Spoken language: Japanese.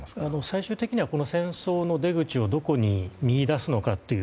最終的にはこの戦争の出口をどこに見いだすのかという。